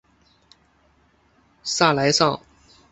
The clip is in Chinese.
萨莱尚。